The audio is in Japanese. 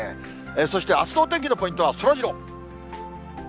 そしてあすのお天気のポイントは、そらジロー。